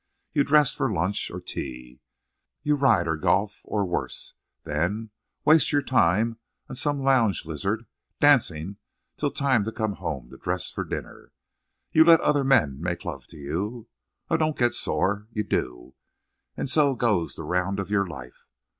You dress for lunch or tea. You ride or golf or worse than waste your time on some lounge lizard, dancing till time to come home to dress for dinner. You let other men make love to you. Oh, don't get sore. You do.... And so goes the round of your life.